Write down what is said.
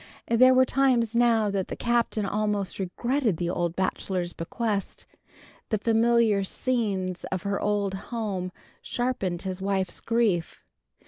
There were times now when the Captain almost regretted the old bachelor's bequest. The familiar scenes of her old home sharpened his wife's grief.